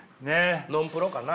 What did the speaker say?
ノンプロかな。